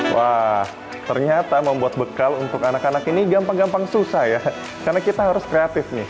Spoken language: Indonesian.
wah ternyata membuat bekal untuk anak anak ini gampang gampang susah ya karena kita harus kreatif nih